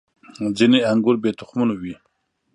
• ځینې انګور بې تخمونو وي.